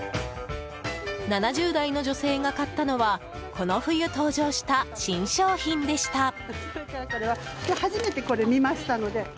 ７０代の女性が買ったのはこの冬登場した新商品でした。